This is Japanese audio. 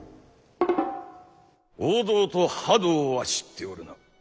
王道と覇道は知っておるな。